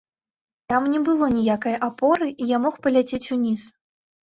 Там не было ніякай апоры, і я мог паляцець уніз.